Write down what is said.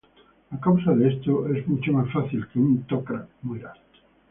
A causa de esto, es mucho más fácil que un Tok'ra muera.